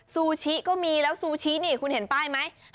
ซูชิก็มีแล้วซูชินี่คุณเห็นป้ายไหม